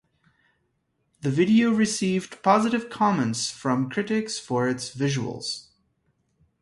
The video received positive comments from critics for its visuals.